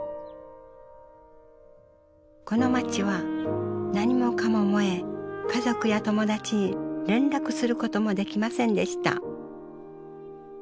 この街は何もかも燃え家族や友達に連絡することもできませんでした。